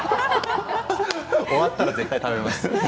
終わったら絶対食べます。